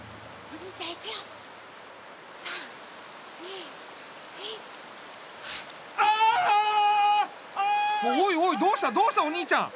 おいおいどうしたどうしたお兄ちゃん。